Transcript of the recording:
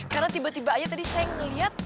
karena tiba tiba aja tadi saya yang ngeliat